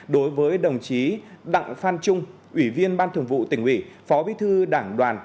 đối với đồng chí đặng phan trung ủy viên ban thường vụ tỉnh ủy phó bí thư đảng đoàn